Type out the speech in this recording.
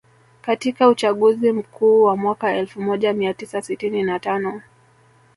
Katika uchaguzi Mkuu wa mwaka elfu moja mia tisa sitini na tano